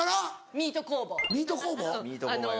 ミート工房あの。